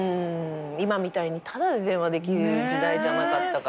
今みたいにタダで電話できる時代じゃなかったから。